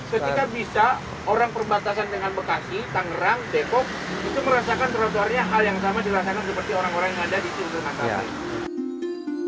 setika bisa orang perbatasan dengan bekasi tangerang depok itu merasakan trotoarnya hal yang sama dirasakan seperti orang orang yang ada di sudirman tamri